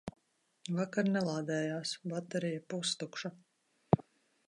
Vakar nelādējās, baterija pustukša.